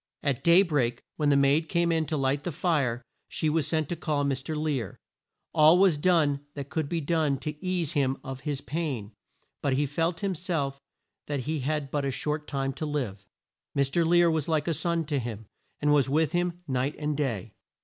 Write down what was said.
At day break, when the maid came in to light the fire, she was sent to call Mr. Lear. All was done that could be done to ease him of his pain, but he felt him self that he had but a short time to live. Mr. Lear was like a son to him, and was with him night and day.